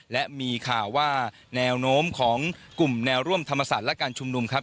และมีข่าวว่าแนวโน้มของกลุ่มแนวร่วมธรรมศาสตร์และการชุมนุมครับ